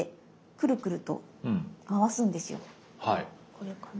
これかな？